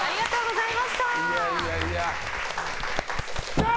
さあ！